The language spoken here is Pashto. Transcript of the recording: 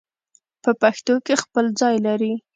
په پښتو کې خپل ځای لري